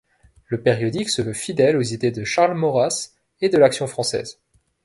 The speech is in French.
Le périodique se veut fidèle aux idées de Charles Maurras et de l'Action française.